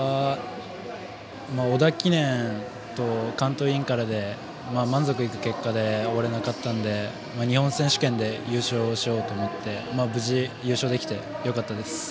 織田記念と関東インカレは満足いく結果で終われなかったので日本選手権で優勝しようと思って無事、優勝できてよかったです。